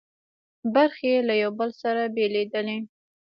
برخې له یو بل څخه بېلېدلې.